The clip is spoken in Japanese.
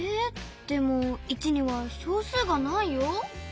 でも１には小数がないよ。